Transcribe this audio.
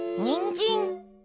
にんじん？